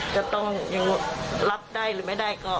พี่ดูแลคนเดียวหรือเปล่า